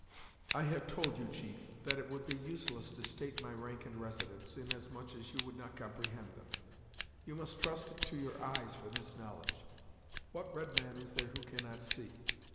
"I have told you, chief, that it would be useless to state my rank and residence, in as much as you would not comprehend them. You must trust to your eyes for this knowledge; what red man is there who cannot see?